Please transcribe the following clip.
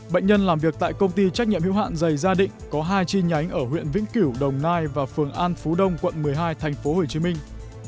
bệnh nhân làm việc tại công ty trách nhiệm hữu hạn dày gia định có hai chi nhánh ở huyện vĩnh cửu đồng nai và phường an phú đông quận một mươi hai thành phố hồ chí minh